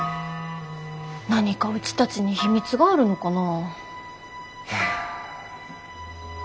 何かうちたちに秘密があるのかな？